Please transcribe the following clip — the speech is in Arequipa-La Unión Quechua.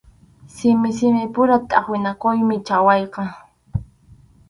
Simi simipura tʼaqwinakuymi chʼaqwayqa.